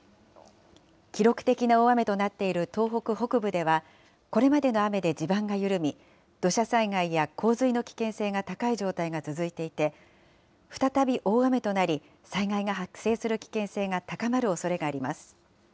記録的な大雨となっている東北北部では、これまでの雨で地盤が緩み、土砂災害や洪水の危険性が高い状態が続いていて、再び大雨となり、災害が発生する危険性が高まるおそれがあります。